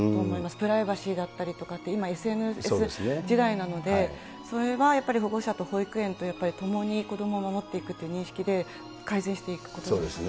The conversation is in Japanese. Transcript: プライバシーだったりとかって今、ＳＮＳ時代なので、それはやっぱり保護者と保育園とやっぱり共に子どもを守っていくという認識で改善していくことだと思いますね。